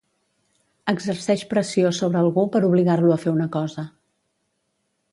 Exerceix pressió sobre algú per obligar-lo a fer una cosa.